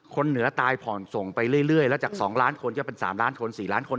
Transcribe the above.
เหนือตายผ่อนส่งไปเรื่อยแล้วจาก๒ล้านคนก็เป็น๓ล้านคน๔ล้านคน